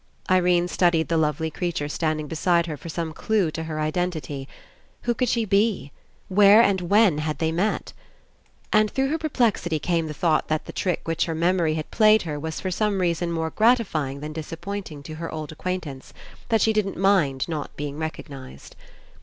Irene studied the lovely creature stand ing beside her for some clue to her identity. Who could she be? Where and when had they met? And through her perplexity there came 21 PASSING the thought that the trick which her memory had played her was for some reason more gratifying than disappointing to her old ac quaintance, that she didn't mind not being recognized.